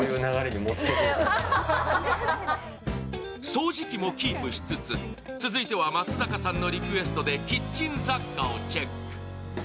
掃除機もキープしつつ、続いては松坂さんのリクエストでキッチン雑貨をチェック。